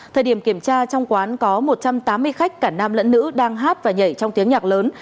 thời điểm kiểm tra trong quán có một trăm tám mươi khách cả nam lẫn nữ đang hát và nhảy trong tiếng nhạc lớn